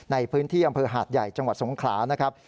ในพื้นที่อำเภอหาดใหญ่จังหวัดสงขลานะครับ